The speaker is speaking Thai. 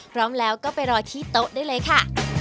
พร้อมแล้วก็ไปรอที่โต๊ะได้เลยค่ะ